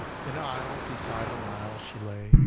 An isle beside an isle she lay.